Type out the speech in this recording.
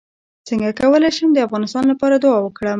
څنګه کولی شم د افغانستان لپاره دعا وکړم